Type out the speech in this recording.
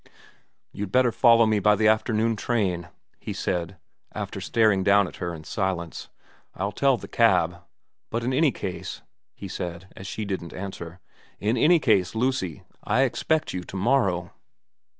' You'd better follow me by the afternoon train,' he said, after staring down at her in silence. ' I'll tell the cab. But in any case,' he said, as she didn't answer, ' in any case, Lucy, I expect you to morrow.'